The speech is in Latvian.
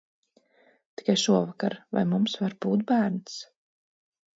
Tikai šovakar, vai mums var būt bērns?